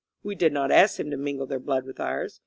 We did not ask them to mingle their blood with ours.